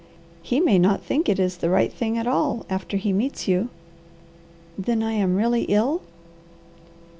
He may not think it is the right thing at all after he meets you." "Then I am really ill?"